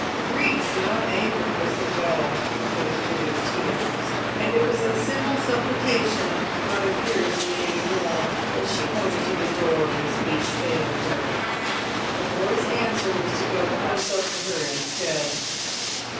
Grief, and not anger, was the well of those bitter tears. And it was in simple supplication, not imperiously any more, that she pointed to the door when speech failed her. The boy's answer was to go close up to her instead.